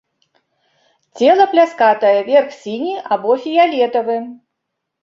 Цела пляскатае, верх сіні або фіялетавы.